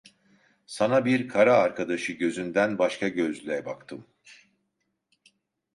Sana bir kara arkadaşı gözünden başka gözle baktım.